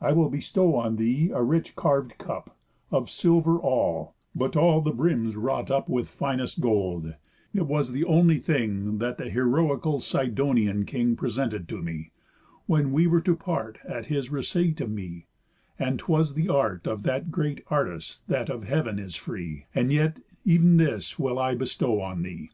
I will bestow on thee a rich carv'd cup, Of silver all, but all the brims wrought up With finest gold; it was the only thing That the heroical Sidonian king Presented to me, when we were to part At his receipt of me, and 'twas the art Of that great Artist that of heav'n is free; And yet ev'n this will I bestow on thee."